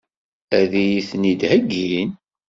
Ad iyi-ten-id-heggin?